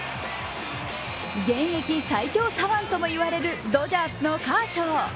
現役最強左腕とも言われるドジャースのカーショー。